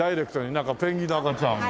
なんかペンギンの赤ちゃんが。